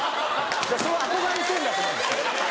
憧れてるんだと思うんですよ。